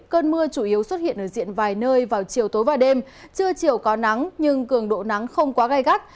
cơn mưa chủ yếu xuất hiện ở diện vài nơi vào chiều tối và đêm chưa chiều có nắng nhưng cường độ nắng không quá gai gắt